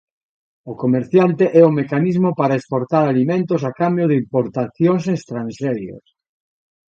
O comerciante é o mecanismo para exportar alimentos a cambio de importacións estranxeiras.